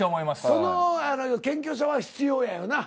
その謙虚さは必要やよな。